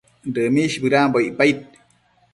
Dëmish bëdambo icpaid